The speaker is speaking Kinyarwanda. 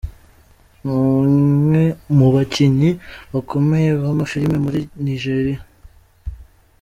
Ni umwe mu bakinnyi bakomeye b’amafilime muri Nigeriya.